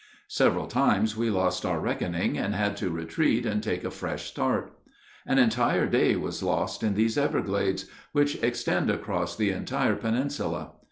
Several times we lost our reckoning, and had to retreat and take a fresh start; an entire day was lost in these everglades, which extend across the entire peninsula.